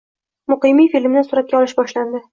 Muqimiy filmini suratga olish boshlandi